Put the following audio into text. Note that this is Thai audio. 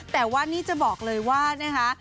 แต่ว่านี่จะบอกเลยว่านะคะ